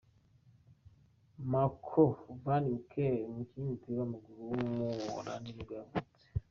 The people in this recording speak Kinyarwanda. Marco van Ginkel, umukinnyi w’umupira w’amaguru w’umuholandi nibwo yavutse.